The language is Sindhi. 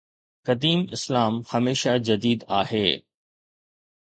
قديم اسلام هميشه جديد آهي.